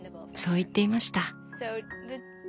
そう言っていました。